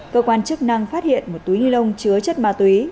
cơ quan chức năng phát hiện một túi ni lông chứa chất ma túy